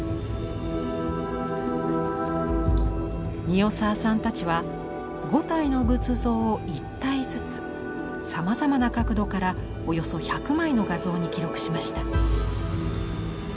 三代沢さんたちは五体の仏像を一体づつさまざまな角度からおよそ１００枚の画像に記録しました。